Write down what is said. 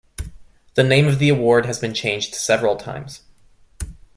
The name of the award has been changed several times.